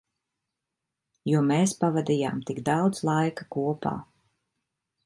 Jo mēs pavadījām tik daudz laika kopā.